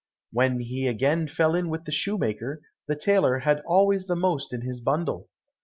When he again fell in with the shoemaker, the tailor had always the most in his bundle.